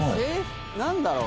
何だろう？